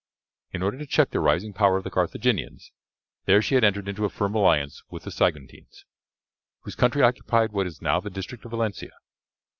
In order to check the rising power of the Carthaginians there she had entered into a firm alliance with the Saguntines, whose country occupied what is now the district of Valencia.